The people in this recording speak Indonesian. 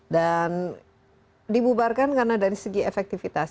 dan dibubarkan karena dari segi efektivitas